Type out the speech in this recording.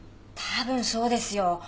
たぶんそうですよ。